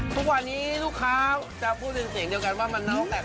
ทุกวันนี้ลูกค้าจะพูดเป็นเสียงเดียวกันว่ามันนรกแปลกของชื่อนะ